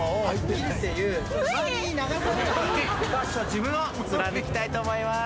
自分を貫きたいと思います。